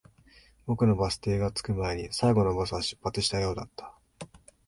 僕がバス停に着く少し前に、最後のバスは出発したようだった